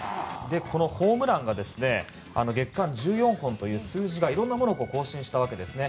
ホームランが月間１４本という数字がいろいろなものを更新したわけですね。